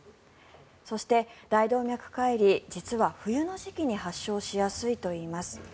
そして、大動脈解離実は冬の時期に発症しやすいといいます。